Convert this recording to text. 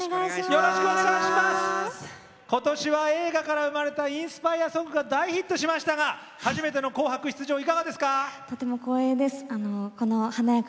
今年は映画から生まれたインスパイアソングが大ヒットしましたが初めての紅白出場いかがですか？